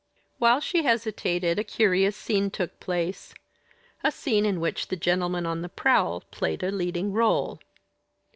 While she hesitated a curious scene took place a scene in which the gentleman on the prowl played a leading rôle.